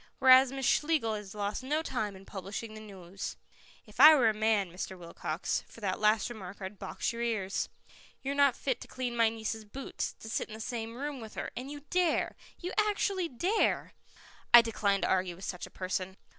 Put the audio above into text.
"Whereas Miss Schlegel has lost no time in publishing the news." "If I were a man, Mr. Wilcox, for that last remark I'd box your ears. You're not fit to clean my niece's boots, to sit in the same room with her, and you dare you actually dare I decline to argue with such a person."